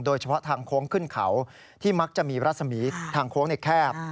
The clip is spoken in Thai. โดยเฉพาะทางโค้งขึ้นเขาที่มักจะมีรัศมีทางโค้งในแคบ